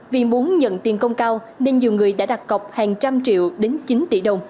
vì muốn nhận tiền công cao nên nhiều người đã đặt cọc hàng trăm triệu đến chín tỷ đồng